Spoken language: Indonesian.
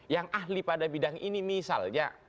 yang ahli pada bidang ini misalnya